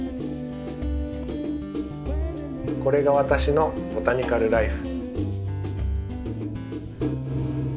これが私のボタニカル・らいふ。